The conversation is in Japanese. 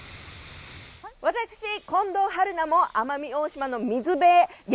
私、近藤春菜も奄美大島の水辺へ激